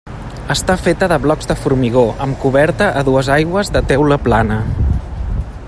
Està feta de blocs de formigó, amb coberta a dues aigües de teula plana.